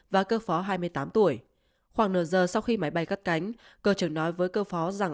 và cơ phó hai mươi tám tuổi khoảng nửa giờ sau khi máy bay cất cánh cơ trừng nói với cơ phó rằng